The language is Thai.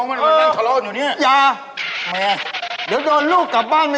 มึงเคลื่อนไอล์กับกูก่อน